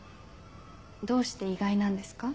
どうして「意外」なんですか？